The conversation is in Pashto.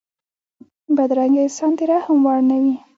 بدرنګه انسان د رحم وړ نه وي